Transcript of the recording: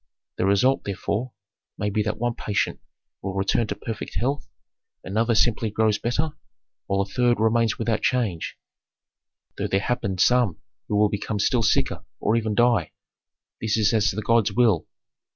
The result, therefore, may be that one patient will return to perfect health, another simply grows better, while a third remains without change, though there happen some who become still sicker, or even die This is as the gods will!"